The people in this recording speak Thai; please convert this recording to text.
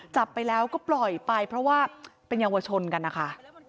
จับไปแล้วก็ปล่อยไปเพราะว่าเป็นเยาวชนกันนะคะ